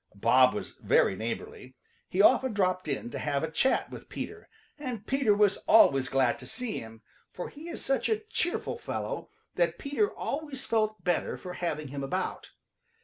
Bob was very neighborly. He often dropped in to have a chat with Peter, and Peter was always glad to see him, for he is such a cheerful fellow that Peter always felt better for having him about.